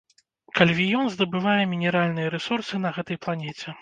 Кальвіён здабывае мінеральныя рэсурсы на гэтай планеце.